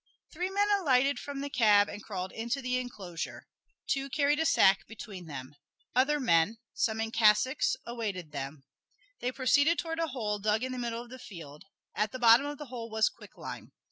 Three men alighted from the cab and crawled into the enclosure. Two carried a sack between them. Other men, some in cassocks, awaited them. They proceeded towards a hole dug in the middle of the field. At the bottom of the hole was quicklime.